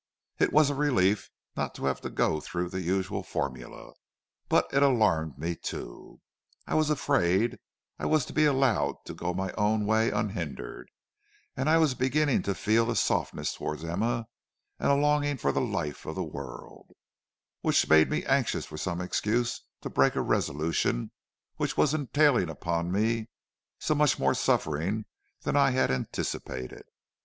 It was a relief not to have to go through the usual formula, but it alarmed me too. I was afraid I was to be allowed to go my own way unhindered, and I was beginning to feel a softness towards Emma and a longing for the life of the world, which made me anxious for some excuse to break a resolution which was entailing upon me so much more suffering than I had anticipated.